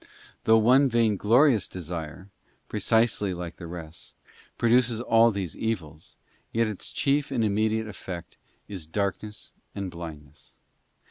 Though one vainglorious desire, precisely like the rest, produces all these evils, yet its chief and im (4) Gluttony. mediate effect is darkness and blindness.